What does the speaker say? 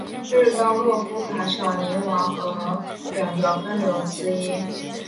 日当诺夫卡小涅瓦河两条分流之一。